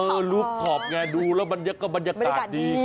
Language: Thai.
รูปท็อปไงดูแล้วบรรยากาศดี